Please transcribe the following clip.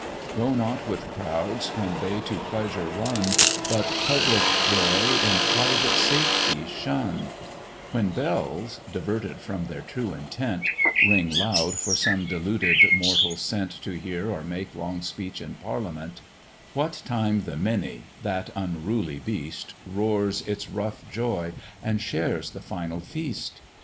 "Go not with crowds when they to pleasure run, But public joy in private safety shun: When bells, diverted from their true intent, Ring loud for some deluded mortal sent To hear or make long speech in parliament; What time the many, that unruly beast, Roars its rough joy and shares the final feast?